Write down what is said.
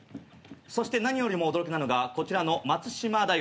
そして何よりも驚きなのがこちらの松島大学。